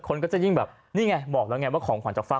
คนก็จะยิ่งแบบนี่ไงบอกแล้วไงว่าของขวัญจากฝ้า